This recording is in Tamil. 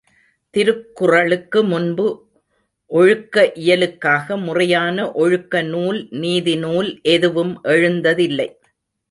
திருக்குறளுக்கு முன்பு, ஒழுக்க இயலுக்காக முறையான ஒழுக்க நூல் நீதி நூல் எதுவும் எழுந்ததில்லை.